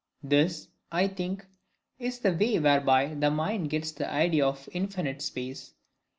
This, I think, is the way whereby the mind gets the IDEA of infinite space.